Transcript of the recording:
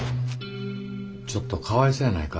ちょっとかわいそうやないか？